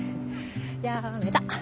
やーめた。